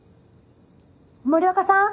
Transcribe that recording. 森若さん？